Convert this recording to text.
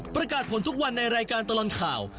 ประกาศผลทุกวันในรายการตลอดข่าว